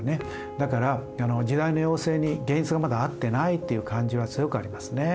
だから時代の要請に現実がまだ合ってないっていう感じは強くありますね。